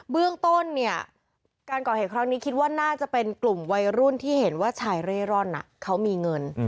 เบื้องต้นเนี่ยการก่อเหตุครั้งนี้คิดว่าน่าจะเป็นกลุ่มวัยรุ่นที่เห็นว่าชายเร่ร่อนเขามีเงิน